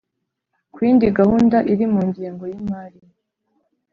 ku yindi gahunda iri mu ngengo y imari